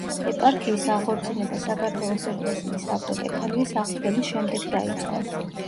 ეპარქიის აღორძინება საქართველოს ეკლესიის ავტოკეფალიის აღდგენის შემდეგ დაიწყო.